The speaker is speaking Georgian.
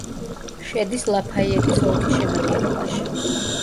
შედის ლაფაიეტის ოლქის შემადგენლობაში.